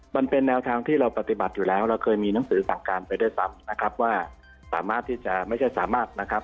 มันเป็นแนวทางที่เราปฏิบัติอยู่แล้วเราเคยมีหนังสือสั่งการไปด้วยซ้ำนะครับว่าสามารถที่จะไม่ใช่สามารถนะครับ